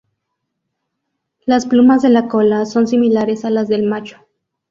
Las plumas de la cola son similares a las del macho.